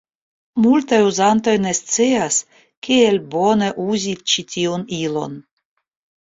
Multaj uzantoj ne scias kiel bone uzi ĉi tiun ilon.